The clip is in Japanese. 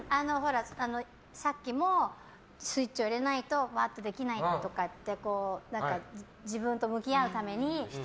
さっきもスイッチを入れないとできないって自分と向き合うために。